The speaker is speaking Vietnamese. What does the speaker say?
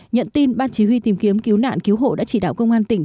nhận tin ban chỉ huy tìm kiếm cứu nạn cứu hộ đã chỉ đạo công an tỉnh